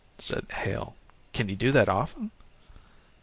said Hale, "can you do that often?"